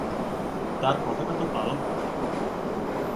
তাঁর কথাটা তো পালন করতে হবে।